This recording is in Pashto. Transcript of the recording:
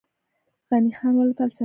غني خان ولې فلسفي و؟